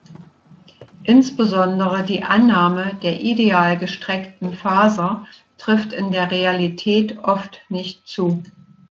Insbesondere die Annahme der ideal gestreckten Faser trifft in der Realität oft nicht zu.